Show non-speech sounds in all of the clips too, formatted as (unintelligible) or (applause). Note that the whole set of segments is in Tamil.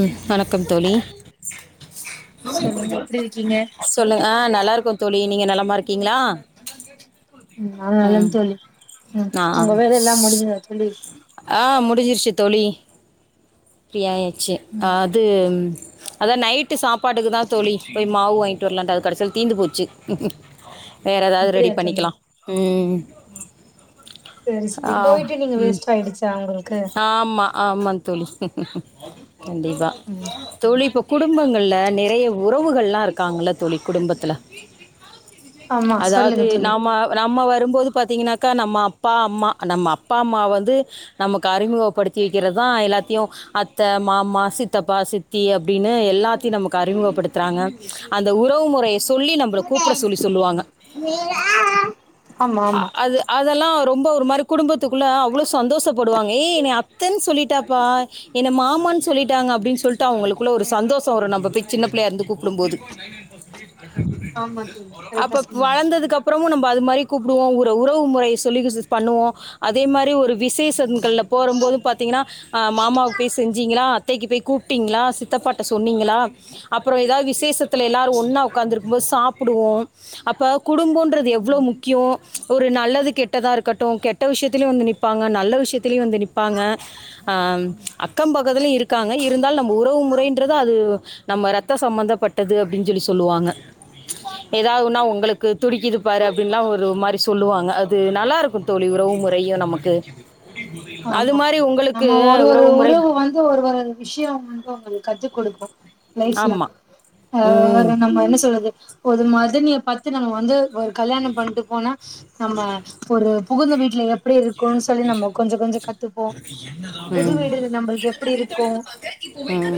ம் வணக்கம் தோழி சொல்லுங்க எப்டி இருக்கீங்க சொல்லு அ நல்லா இருக்கோம் தோழி நீங்க நலம் மா இருக்கீங்களா ம் நா நலம் ம் தோழி ம் ஆ உங்க வேலை எல்லா முடிஞ்சுதா தோழி ஆ ஃப்ரீ ஆயா ச்சி அ ம் அது அதான் நைட்டு சாப்பாட்டுக்கு தா தோழி போய் மாவு வாங்கிட்டு வரலான்ட்டு அது கடைசியல தீந்து போச்சு வேற ஏதாது ரெடி அப்டியா தோழி பண்ணிக்கலா ம் (inaudible) செரி செரி ஆ போயிட்டு நீங்க ம் வேஸ்ட் ஆயிடுச்சா உங்களுக்கு இன் ஆடியபிள் கண்டிப்பா ம் தோழி இப்போ குடும்பங்கள்ல நெறைய உறவுகள்லா இருக்காங்கள்ல தோழி குடும்பத்துல ஆமா அதாவது சொல்லுங்க தோழி நாம்ம நம்ம வரும்போது பாத்தீங்கன்னாக்கா நம்ம அப்பா அம்மா நம்ம அப்பா அம்மா வந்து நமக்கு அறிமுகப்படுத்தி வெக்கிறதா எல்லாத் த்தியு அத்த மாமா சித்தப்பா சித்தி அப்டின்னு எல்லாத்தியு நமக்கு அறிமுகப்படுத்துறாங்க அந்த உறவு முறைய சொல்லி நம்பள கூப்புட சொல்லி சொல்லுவாங்க ஆமா அ- ஆமா அது அதெல்லாம் ரொம்ப ஒரு மாரி குடும்பத்துக்குள்ள அவ்வளோ சந்தோஷப்படுவாங்க ஏ இவ அத்தன் சொல்லிட்டா பா என்ன மாமான் சொல்லிட்டாங்க அப்டின் சொல்ட்டு அவங்களுக்குள்ள ஒரு சந்தோஷோ வரு நம்ப பிச்சு சின்ன பிள்ளையா இருந்து கூப்புடும் போது ஆமா தோழி கரெக்டா அப்ப சொன்னீங்க வளந்ததுக்கு அப்புறமு நம் அது மாரி கூப்புடுவோ ஒரு உறவு முறை சொல்லி பண்ணுவோ அதே மாரி ஒரு விசேஷங்கள்ல போறம்போது பாத்தீங்கன்னா ஆ மாமாவுக்கு போய் செஞ்சீங்களா அத்தைக்கு போய் கூப்பிட்டீங்களா சித்தப்பாட்ட சொன்னீங்களா அப்புறோ ஏதாவது விசேஷத்துல எல்லாரு ஒன்னா உக்காந்து இருக்கும் போது சாப்புடுவோ அப்ப குடும்போம்ன்றது எவ்வளோ முக்கியோ ஒரு நல்லது கெட்டதா இருக்கட்டு கெட்ட விஷ்யத்திலயு வந்து நிப்பாங்க நல்ல விஷ்யத்திலயு வந்து நி்ப்பாங்க ஆம் அக்கம் பக்கத்துலயும் இருக்காங்க இருந்தாலு நம்ம உறவு முறைன்றது அது நம்ம ரத்த சம்பந்தப்பட்டது அப்டின் சொல்லி சொல்லுவாங்க ஏதாவதுன்னா உங்களுக்கு துடிக்குது பாரு அப்டின்லா ஒரு மாரி சொல்லுவாங்க அது நல்லா இருக்குந் தோழி உறவு முறையு நமக்கு அது ஆமா மாரி உங்களுக் நம்ம ஒரு ஒரு உறவு வந்து ஒரு ஒரு விஷ்யோ வந்து அவங்களுக்கு கத்து குடுக்கு லைப்ல ஆமாம் ஆ ம் நம்ம என்ன சொல்றது ஒரு மதனிய பாத் து நம்ம வந்து ஒர் கல்யாணம் பண்ட்டு போனா நம்ம ஒரு புகுந்த வீட்ல எப்படி இருக்கோனுன் சொல்லி நம்ம கொஞ்சோ கொஞ்சோ கத்துபோ புது வீடு நம்ப கெப் எப்டி இருக்கோ ம்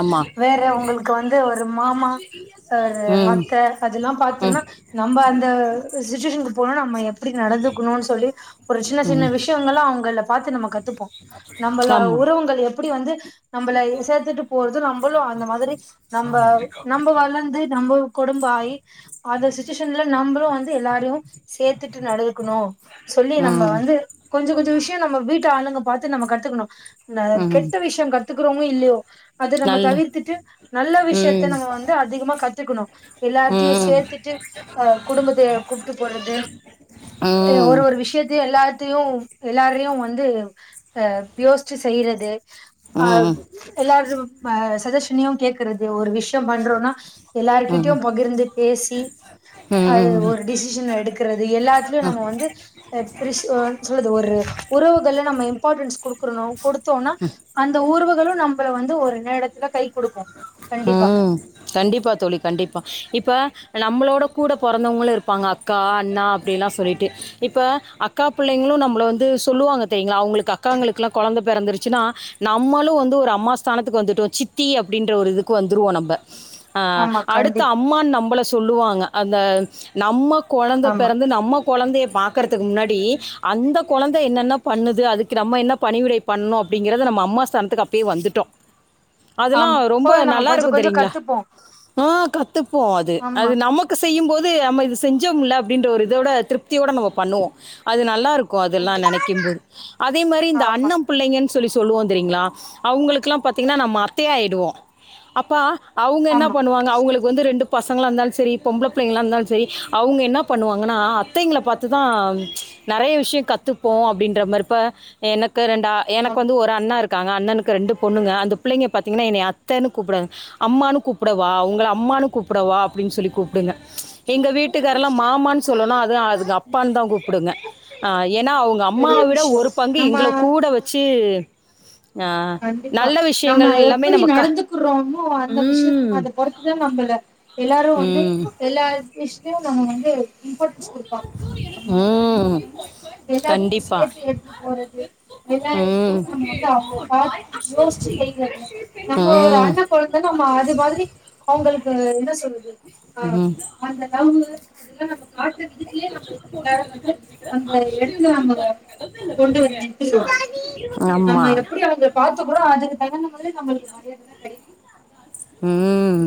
ஆமா வேற உங்களுக்கு வந்து ஒரு மாமா அ அத்த அதெல்லா ம் பாத்தோம்னா நம்ம அந் சுஸ்சுவேஷனுக்கு போனா நம்ம எப் எப்டி நடந்துக்கணுன் சொல்லி ஒரு சின்ன சின்ன ம் விஷ் உங்கள பாத்து நம்ம கத் ப்போ நம்மள ஆமாம் உறவங்கள் எப்படி வந்து நம்மளை சேர்த்துட்டு போறது நம்பளு அந்த மாதிரி நம்ப நம்ப வளந்து நம்பப கொடும்ப ஆயி அந்த சுஸ்சுவேஷன்ல நம்பளு வந் து எல்லாரயு சேத்துட்டு நடக்கணு சொல்லி நம்ம ம் வந்து கொஞ்சோ கொஞ்சோ விஷ்யோ நம்ம வீட்ட ஆளுங்க பாத்து நம்ப கத்துக்கணு இந்த ம் கெட்ட விஷ்யோங் கத்து க்குறோங்க இல்லயோ அது நம்ம நல்ல தவிர்த்துட்டு நல்ல விஷ்யத்த ம் நம்ம வந்து அதிகமா கத்துக்கணு ம் எல்லாத்தயு ம் சேத்துட்டு அ குடும்பத்த கூப்ட்டு போறது அ ஒரு ஒரு விஷ்யத்தயு எல்லா க்கு எல்லாரையு வந்து அ யோசுச்சு செய்றது அ ம் எல்லாரு இப்ப சஜஷனயு கேக்குறது ஒரு விஷ் யொ பண்றோன்னா எல்லார்கிட்டயு ம் பகிர்ந்து பேசி அது ம் ம் ஒரு டிசிஷன் எடுக்குறது எல்லாத்லயு நம்ம வந்து அ ஃப்ரிஷ்ஒ (unintelligible) ஒரு உறவுகள்ல நம்ம இம்பார்ட்ன்ஸ் கொடுக்கறணு கொடுத்தோன்னா அந்த உறவுகளு நம் த்துல வந்து ஒரு நேரத்துல கை குடுக்கு கண்டிப்பா ம் கண்டிப்பா தோழி கண்டிப்பா இப்ப நம்மளோட கூட பொறந்தவுங்களு இருப்பாங்க அக்கா அண்ணா அப்டில்லா சொல்லிட்டு இப்ப அக்கா பிள்ளைங்களு நம்ள வந்து சொல்லுவாங்க தெரியுங்ளா அவுங்களுக்கு அக்காங்களுக்லா கொழந்த பெறந்துருச்சுனா நம்மளு வந்து ஒரு அம்மா ஸ்தானத்துக்கு வந்துட்டோ சித்தி அ ப்டின்ற ஒரு இதுக்கு வந்துருவோ நம்ப அ ஆமா அடுத்த கண்டிப்பா அம்மான் நம்பள சொல்லுவாங்க அந்த நம்ம கொழந்த ஆமா பெறந்து நம்ம கொழந்தைய பாக்கற்துக்கு முன்னாடி அந்த கொழந்த என்னென்ன பண்ணுது அதுக்கு நம்ம என்ன பணிவிடை பண்ணு அப்டிங்கிறத நம்ம அம்மா ஸ்தனத்துக்கு அப்பயே வந்துட்டோ அதெல்லா ஆமா ரொம்ப போய் நம்ம கொஞ்ச நல்லாருக்கு கொஞ்ச தெரியிங்ளா கத்துப்போ ஆ த்துப்போ அது ஆமா அது நமக்கு செய்யும்போ து நம்ம இது செஞ்சோமுல்ல அப்டின்ற ஒரு இதோட திருப் தியோட நம்ம பண்ணுவோ அது நல்லாருக்கு அதெல்லா நெனக்கும் போது அதே மாரி இந்த ஆமா அண்ணம் புள்ளைங்கன் சொல்லி சொல்லுவோ தெரியிங்ளா அவுங்களுக்லா பாத்தீங்னா நம்ம அத் த்தயாயிடுவோ அப்பா அவுங்க என்ன ஆமா பண்ணுவாங்க அவுங்களுக் வந்து ரெண்டு பசங்களாருந்தால் செரி பொம்பள புள்ளைங்ளா இருந்தால் செரி அவுங்க என்ன பண்ணுவாங்கனா அத்தைங்கள பாத்துதா நறைய விஷ்யொ கத்துப்போ அப்டின்ற மாரு இப்ப என க்கு ரெண்டா எனக்கு ஆமா வந்து ஒரு அண்ணா இரு க்காங்க அண்ணனுக்கு ரெண்டு பொண்ணுங்க அந்த பிள்ளைங்க பாத்திங்கனா என்னய அத்தனு கூப்டாதுங்க அம்மானு கூப்புடவா உங்கள அம்மானு கூப்புடவா அப்டின் சொல்லி கூப்டுங்க எங்க வீட்டுகார்லா மாமான் சொல்லனு அது அதுங்க அப்பான் தா கூ ப்புடுங்க ஏன்னா அவுங்க அம்மாவ பெரிய விட விஷயோ ஒரு பங்கு எங்கள நம்ம கூட வச்சு ஆ நல்ல விஷ்யங்கள் ப்பிடி நடந்துக்குறோமோ அந்த விஷ்ய அத பொறுத்துதா நம்ளொட எல்லாரு வந்து ம் எல்லா விஷ் யம்‌ வந்து இன்பாட்டன்ஸ் குடுப்பாங்க நம்ம அவுங்கள ம் வந்து எல்லாத்லயு கண்டிப்பா சேத்து எடுத்து போறது எல்லா ம் எடத்துலயு நம்ம வந்து அவுங்க ள யோசிச்சு செய்றது நம்ம ஒரு ம் அண்ண கொழந்த நம்ம அது மாதிரி அவுங்களுக்கு என்ன சொல்றது அ ம் அந்த லவ் அதெல்லா நம்ம காட்ற விதத்துலயே நம்மளுக்கு எல்லாரு வந்து அந்த எடத்துல நம்ம கொண்டு வந்து நிற்த்திருவாங்க ஆமா நம்ம எ. ப்ப பாத்துக்கூட அதுக்கு தகுந்த மாரி நம்மளுக்கு மரியாத தா கெடைக்கு ம்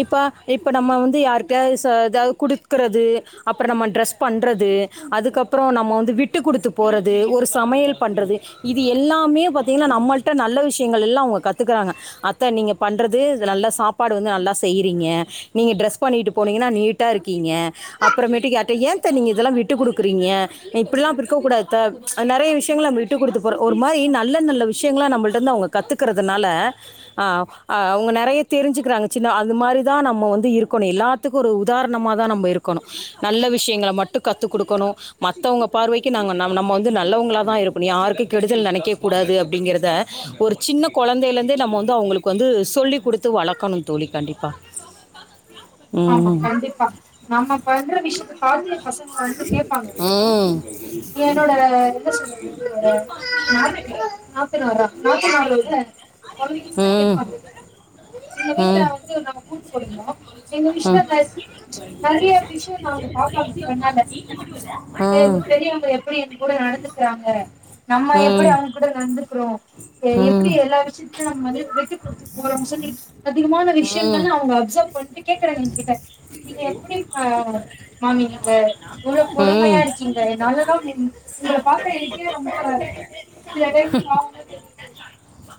இப்ப இப்ப நம்ம வந்து யாருட்டயாது ச எதாது குடுக்கறது அப்பற நம்ம ட்ரெஸ் பண்றது அதுக்கப்பறோ நம்ம வந்து விட்டு குடுத்து போறது ஒரு சமயல் பண்றது இது எல்லாமே பாத்தீங்கனா நம்மள்ட்ட நல்ல விஷ்யங்கள் எல்லா அவுங்க கத்துக்கிறாங்க அத்த நீங்க பண்ற (unintelligible) து நல்ல சாப்பாடு வந்து நல்லா செய்யிறீங்க நீங்க ட்ரெஸ் பண்ணிட்டு போனிங்கனா நீட்டா இருக்கிங்க அப்பறமேட்டு யார்ட ஏத்த நீங்க இதல்லா விட்டு குடுக்கிறிங்க இப்பிட்லா இரு க்க கூடாதுத்த அ நறைய விஷ்யங்கள்ல அ டு குடுத்து போற ஒரு மாரி நல்ல நல்ல விஷ்யங்களா நம்மள்டந்து அவுங்க கத்துக்குறதுனால அ அ வுங்க நறைய தெரிஞ்சிக்குறாங்க சின்னா அது மாரிதா நம்ம வந்து இருக்கனு எல்லாத்துக்கொரு உதாரணமா தா நம்ப இருக்கனு நல்ல விஷ்யங்கள மட்டு கத்துகுடுக்கணு மத்தவுங்க பார்வைக்கு நாங்க நம்ம வந்து நல்லவங்களா தா இருக்கணு யாருக்கு கெடுதல் நெனக்க கூடாது அப்டிங்கிறத ஒரு சின்ன கொழந்தைலெந்தே நம்ம வந்து அவுங்களுக்கு வந்து சொல்லி கொடுத்து வளர்க்கணும் தோழி கண்டிப்பாக ஆமா ம் கண்டிப்பா நம்ம பண்ற விஷ்யத்த பாத்து பசங்க வந்து கேப்பாங்க ம் இது என்னோட வேல என்ன சொல்றது (unintelligible) நா நாத்தனாரா நாத்தனாரோட கொழந்தைங்கள கேப் ம் ஆமா எங்க வீட்ல ம் வந்து நாங்க கூட்டு குடும்போ எங்க விஷ்யங்க நறைய விஷ்ய நாங்க பாப்பாங்க கண்ணால எங்க ம் பெரியவ்ங்க எப்பிடி என் கூட நடந்துக்குறாங்க நம்ம எப்பிடி ம் அவுங் கூட நடந்துக்கிறோ ம் எப்பிடி ம் எல்லா விஷ்யத்லயு நம்ம வந்து விட்டு குடுத்து (unintelligible) (unintelligible) அதிகமான விஷ்யங்கள ம் அவுங்க அப்சர்வ் பண்ட்டு கேக்குறாங்க என்கிட்ட நீங்க எப்பிடி ப மாமி நீங்க இவ்ளொ பொறுமையா ம் இருக்கீங்க என்னாலலா ம் உங்க பாக்குற எனக்கே ரொம்ப சில டைம்ல பாவமா தெரியிது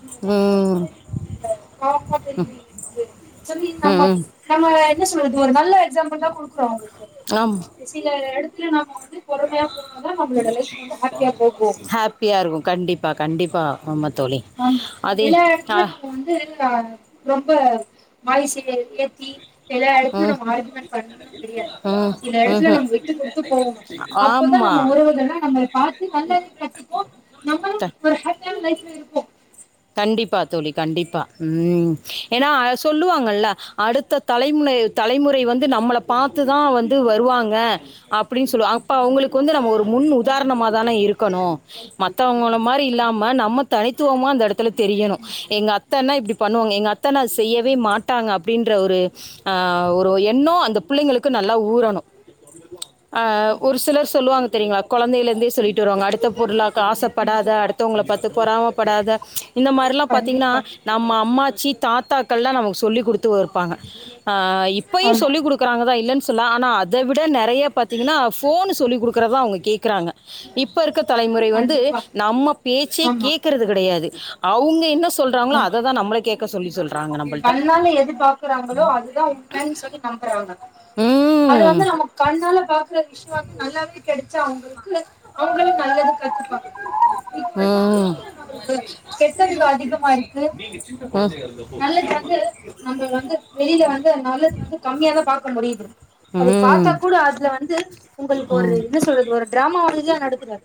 நீங்க ம் ரொம்ப பாவமா தெரியிரீங்கன்ட்டு சொல்லி நம்ம ம் நம்ம என்ன சொல்றது ஒரு நல்ல எக்ஸாம்பிள் தா குடுக்குறோ அவுங்களுக்கு அம் சில எடத்துல நாம வ ஹாப்பியா போகும் ஹாப்பியாருக்கு கண்டிப்பா கண்டிப்பா ஆமத் ஆமா எல்லா எடத்துல நம்ம வந்து ஆ ரொம்ப வாய்ஸு எ ஏத்தி எல்லா எடத்துலயு ம் நம்ம ஆர்க்யூமண்ட் பண்ணுனு கிடயாது சில ம் எடத்துல ம் நம்ப விட்டு குடுத்து போவுணு அப்பொதா நம்ம ஆமாம் உறவுகல்லா நம்மள பாத்து நல்லதயு கத்துக்கு நம்மளு த ஒரு ஹாப்பியான லைஃப்ல இரு கண்டிப்பா தோழி கண்டிப்பா ம் ஏனா சொல்லுவாங்கல்ல அடுத்த தலைமுனை தலைமுறை வந்து நம்மள பாத்துதா வந்து வருவாங்க அப்பிடின் சொல்லுவ அப்ப அவுங்களுக்கு வந்து நம்ம ஒரு முன் உதாரணமா தான இருக்கணு மத்தவுங்கள மாரி இல்லாம நம்ம தனித்துவமா அந்த எடத் துல தெரியனு எங்க அத்தன்னா இப்டி பண்ணுவாங்க எங்க அத்தன்னா அது செய்யவே மாட்டாங்க அப்டின்ற ஒரு அ ஒரு எண்ணொ அந்த பிள்ளைங்களுக்கு நல்லா ஊறணு அ ஒரு சிலர் சொல்வாங்க தெரியிங்ளா கொழந்தைலெந்தே சொல்லிட்டு வருவாங்க அடுத்த பொருளாக்க ஆசப்படாத அடுத்தவுங்கள பாத்து பொறாமப்படாத இந்த மார்லா பாத்தீங்கனா கண்டிப்பா நம்ம அம்மாச்சி தாத்தாக்கள்லா நமக்கு சொல்லி குடுத்து வருப்பாங்க ஆ இப்பயு ஆமா சொல்லி குடுக்குறாங்கதா இல்லன் சொல்ல ஆனா அத விட நெறைய பாத்தீங்கனா ஃபோன் சொல்லி குடுக்குறதா அவுங்க கேக்குறாங்க இப்ப இருக்க தலைமுறை வந்து கண்டிப்பா நம்ம பேச்சே ஆமா கேக்குறது கெடயாது அவுங்க என்ன சொல்றாங்களோ ஆமா. அததா நம்மள கேக்க சொல்லி சொல்கிறாங்க நம்மள்ட்ட கண்ணால எது பாக்குறாங்களோ அதுதா உண்மனு சொல்லி நம்புறாங்க அது ம் வந்து நம்ம கண்ணால பாக்குற விஷயோ வந்து நல்லாவே கெட சா அவ்ங்களு (inaudible) அவங்களு நல்லது கத்துப்பாங்க இது வந்து ம் இது நம்ளுக்கு கெட்டதுல அதிகமா இருக்கு ம் (inaudible) வந்து நம்ம வந்து வெளியில வந்து நல்லது வந்து கம்மியா (inaudible) பாக்க முடியுது அது பாத்தா ம் கூட அதுல வந் (inaudible) உங்களுக்கு ஒரு ம் இது சொல்றது ஒரு டிராமா வாதுதா நடக்குதது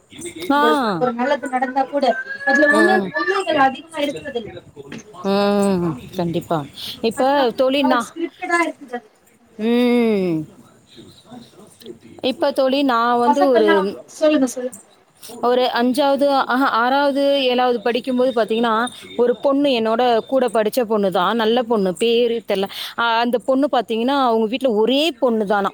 உங்களுக்கு ஒரு நல்லது நடந்தா கூட அதுல உண்மை உஉ உண்மைகள் அதிகமா இருக்கிறது இல்ல உ ஊ கண்டிப்பா இப்ப அதுல வந்து (inaudible) ஸ்கிரிப்டெடா இத்தது அது ஊ இப்பத் தோழி நா வந்து ஒரு பசங்கள்லா சொல்லுங்க சொல்லுங்க ஒரு அஞ் அஞ்சாவது ஆஹா ஆறாவது ஏழாவது படிக்கும்போது பாத்தீங்கன்னா ஒரு பொண்ணு என்னோட கூட படிச்ச பொண்ணு தா நல்ல பொண்ணு பேரு தெரில அந்த பொண்ணுப் பாத் திங்கனா அவங்க வீட்டுல ஒரே பொண்ணு தான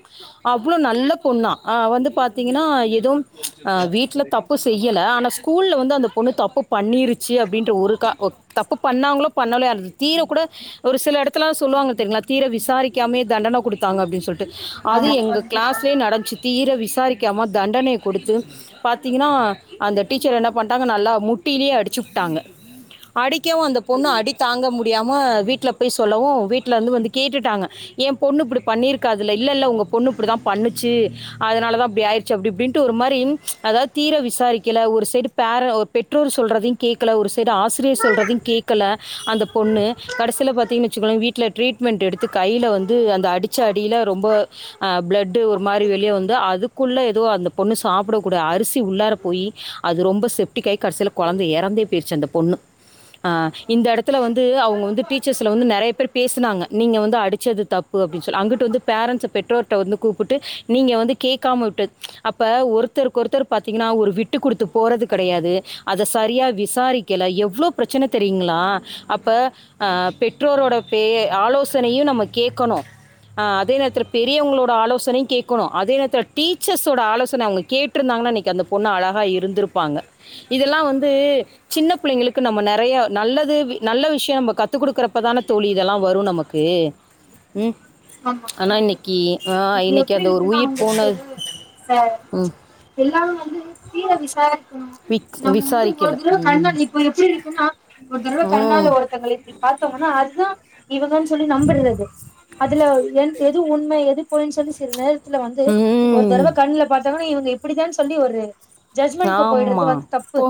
அவ்வள நல்ல பொண்ணா ஆ வந்து பாத்தீங்கன்னா எது ச் வீட்டுல தப்பு செய்யல ஆனா ஸ்கூல்ல வந்து அந்த பொண்ணு தப்பு பண்ணிருச்சு அப்படிங்கிற ஒரு காரணத் தப்பு பண்ணாங்களோ பண்ணலையோ அத தீர கூட ஒரு சில எடத்தலா சொல்லுவாங்க பாத்தீங்களா தீர விசாரிக் க்யாமே தண்டன குடுத்தாங்க அப்டின்னு சொல்லட் ட்டு அது ஆமா எங்க கிளாஸ்லயே நடந்த்சு தீர விசாரிக் க்கியம்மா தண்டனய குடுத்து பாத்தீங்னா அந்த டீச்சர் என்ன பண்டாங்க நல்லா முட்டிலே அடிச்சு புட்டாங்க அடிக் கவு அந்த பொண்ணு அடி தாங்க முடி யாம வீட்டில போய் சொல்லவு வீட்டலந்து வந்து கேட்டுட்டாங்க எ பொண்ணு இப்டி பண்ணிருக்காதுல இல்ல இல்ல உங்க பொண்ணு இப்டிதா பண்ணுச்சு அதனாலதா இப்டி ஆயிருச்சு அப்டி இப்டின்டு ஒரு மாரி இன் ச் அதாவது தீர விசாரிக்கல ஒரு சைடு பேர பெற்றோர் சொல்றதயு கேக்கல ஒரு சைடு ஆசிரியர் சொல்றதையு கேக்கல அந்த பொண்ணு கடேசில பாதிங்கனுவச்கோங்களே வீட்டுல ட்ரீட்மென்ட் எடுத்துக் கையில வந்து அந்த அடிச்ச அடில ரொம்ப பிளட்டு ஒரு மாரி வெளிய வந்து அதுக்குள்ள ஏதோ அந்த பொண்ணு சாப்புடக்க கூட அரிசி உள்ளார போய் அது ரொம்ப செப்டிக் ஆயி கடேசில கொழந்த எறந்தே போயிருச்சு அந்த பொண்ணு அ இந்த எடத்துல வந்து அவங்க வந்து டீச்சர்ஸ்ல வந்து நிறைய பேர் பேசினாங்க நீங்க வந்து டிச்சது தப்பு அப்டி சொல்லி அங்குட்டு வந்து பேரன்ஸ பெற்றொர்ட வந்து கூப்புட்டு நீங்க வந்து கேக்காம விட்டது அப்ப ஒருத்தருக்கு ஒருத்தர் பாத்தீங்கனா ஒரு விட்டு குடுத்து போறது கடையாது அத சரியா விசாரிக்கல எவ்ளோ பிரச்சன தெரியுங்கலா அப்ப அ பெற்றோரோட பே ஆலோசனையு நம்ம கேக்கணு ஆ அதே நேரத்துல பெரியவங்களோட ஆலோசனையு கேக்கணு அதே நேரத்துல டீச்சர்ஸ்ஸோட ஆலோசன அவங்க கேட்ருந்தாங்கனா அன்னைக்கு அந்த பொண்ணு அழகா இருந்திருப்பாங்க இதெல்லா வந்து கண்டிப்பா சின்ன பிள்ளைங்களுக்கு நம்ம நிறைய நல்லது நல்ல விஷயோ நம்ம கத்து குடுக்குறப்பதான தோழி இதெல்லா வரு நமக்கு ம். ஆமா கா ஆனா இன்னைக்கு ஆ இது இன்னைக்கு எப்படி அந்த ஒரு இருக்குன்னா உயிர் அவங்களுக்கு போனது அ ம். எல்லாமே வந்து தீர விசாரி அ விக் நம்ம வந்து ஒரு விசாரிக்கல. தரவ ம். கண்காணி இப்ப எப்படி இருக்குன்னா ஒரு தரவ ம். கண்ணால ஒருத்தங்கள இப்படி பாத்தோங்கன்னா அதுதா இவனுனு சொல்லி நம்புடுறது அதுல என் எது உண்மை எது பொய்ன்னு சொல்லி சில நேர இல்ல வந்து ஒரு ம். தரவ கண்ணுல பாத்தவொன்னே இவங்க இப் இப்டிதானு சொல்லி ஒரு ஜட்ஜ்மெண்ட்கு போயிடுறது ஆமா. வந்து தப்பு போ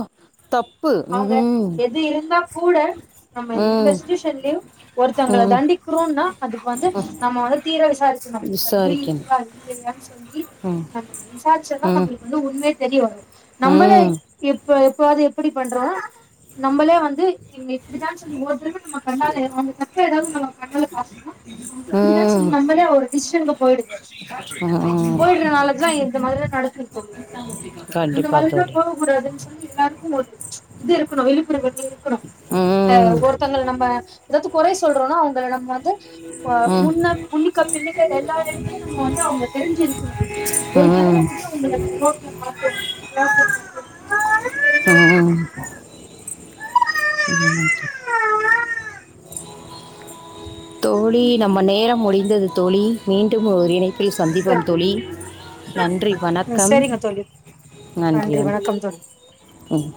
தப்பு. அவங்க ம். எது இருந்தா கூட நம்ம எந்த ம். சிட்வேஷன்லயு ஒருத்தவங்க ம். தண்டிக்கிறோனா அதுக்கு வந்து நம்ம வந்து தீர விசாரிக்கணு இதுல பொய் விசாரிக்கணும். இருக்குதா இல்லயானு சொல்லி ம். நம்ம விசாரிச்சாதா ம். நம்மளுக்கு வந்து உண்மயே தெரிய வரு நம்மளே ம் இப்ப இப்போவாது இப்டி பண்றோ நம்மளே வந்து இங்க இப்டித்தா சொல்லி ஒரு ட்ரிப் நம்ம கண்ணால அவங்க தப்ப ஏதாவது நம்ம கண்ணால பாக்கணு இப்படிதா ம் சொலி நம்மளே ஒரு டிஷ் ங்க போயிடுக்கு ம் போயிடுறதுனாலதா இந்த மாரிதா நடக்குது தோழி உங்ளுக்கு இந்த கண்டிப்பா மாரிலா தோழி போகக்க கூடாதுன்னு சொல்லி எல்லாருக் போது இது இருக்கணு விழுப்புணர்வு இரு க் னும் அ ம் ஒருத்தங்கள நம்ம ஏதாச்சு கொறை சொல்றோம்னா அவங்கள நம்ம வந்து ப்ப ம் முன்ன முன்னுக்க பின்னுக்க எல்லா இடத்தையு நம்ம வந்து அவங்க தெரிஞ்சிருக்கணு ஒரு தடவ ம் வந்து உங்கள ரோட்டுல ம் ம். பார்த்து தோழி நம்ம நேரம் முடிந்தது தோழி மீண்டும் ஒரு இணை ப்பியு சந்திப்போம் தோழி நன்றி வணக்கம் சரிங்க தோழி நன்றி வணக்கம் ம்